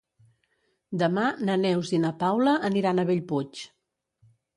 Demà na Neus i na Paula aniran a Bellpuig.